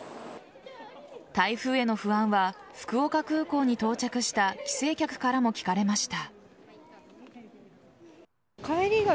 台風への不安は福岡空港に到着した帰省客からも聞かれました。